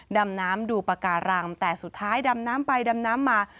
ดำน้ำดูปากการังแต่สุดท้ายดำน้ำไปดำน้ำมา